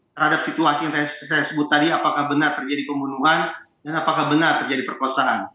terhadap situasi yang saya sebut tadi apakah benar terjadi pembunuhan dan apakah benar terjadi perkosaan